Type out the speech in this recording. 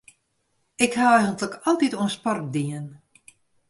Ik ha eigentlik altyd oan sport dien.